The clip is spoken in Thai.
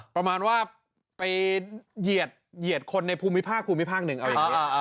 ประมาณว่าไปเหยียดคนในภูมิภาคภูมิภาคหนึ่งเอาอย่างนี้